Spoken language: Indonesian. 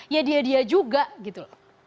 ya dia dia juga gitu loh